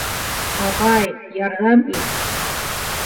Ағай, ярҙам ит!